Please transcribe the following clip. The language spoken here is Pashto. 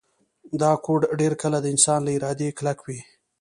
دا کوډ ډیر کله د انسان له ارادې کلک وي